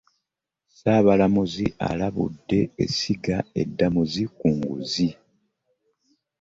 Sabalamuzi alabudde esigga eddamuzi ku nguzi.